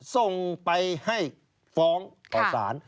ส่งไปให้ฟ้องต่อสาร